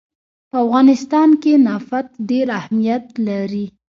په افغانستان کې نفت ډېر اهمیت لري.